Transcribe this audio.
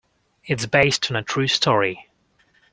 It's based on a true story.